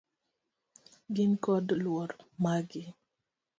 Gin kod luor margi.